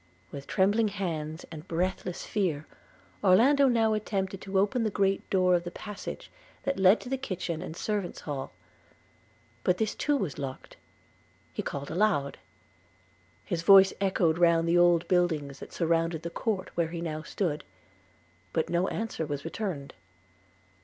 With trembling hands, and breathless fear, Orlando now attempted to open the great door of the passage that led to the kitchen and servants' hall; but this too was locked. He called aloud: his voice echoed round the old buildings that surrounded the court where he now stood; but no answer was returned.